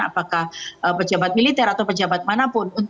apakah pejabat militer atau pejabat manapun